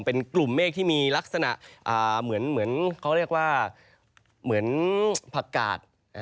เป็นกลุ่มเมฆที่มีลักษณะเหมือนพักกาศ